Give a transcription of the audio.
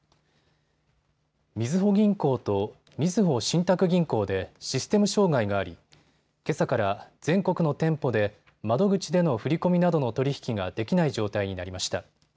みずほ銀行とみずほ信託銀行でシステム障害がありけさから全国の店舗で窓口での振り込みなどの取り引きができない状態になりました。